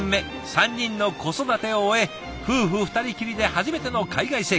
３人の子育てを終え夫婦２人きりで初めての海外生活。